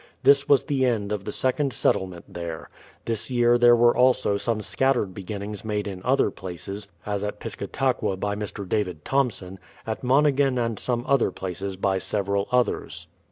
This was the end of the second settlement there. This year there were also some scattered beginnings made in other places, as at Piscataqua by Mr. David Thomson, at Monhegan and some other places by several others.